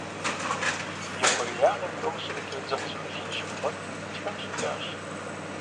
И хъуреягъым и ӏуэхур зыӏутыр дзыхь зыхуищӏын щимыгъуэтым, тхэн щӏидзащ.